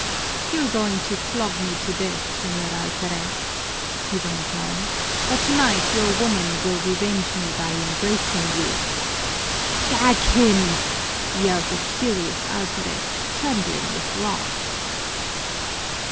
"You're going to flog me to death, Señor Alferez," he went on, "but tonight your woman will revenge me by embracing you." "Gag him!" yelled the furious alferez, trembling with wrath.